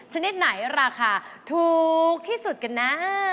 ชนิดไหนราคาถูกที่สุดกันนะ